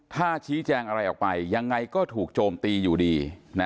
ถ้าชี้แจงอะไรออกไปยังไงก็ถูกโจมตีอยู่ดี